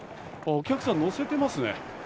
お客さんを乗せてますね。